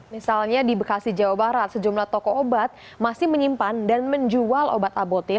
misalnya di bekasi jawa barat sejumlah toko obat masih menyimpan dan menjual obat albotil